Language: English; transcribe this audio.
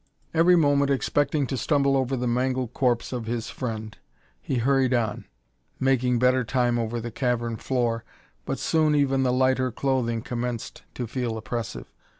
Every moment expecting to stumble over the mangled corpse of his friend he hurried on, making better time over the cavern floor, but soon even the lighter clothing commenced to feel oppressive.